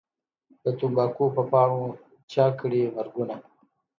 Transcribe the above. د تمباکو په پاڼو چا کړي مرګونه